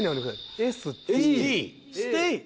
ステイ。